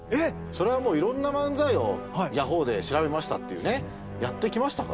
それはもういろんな漫才を「ヤホーで調べました」っていうねやってきましたから。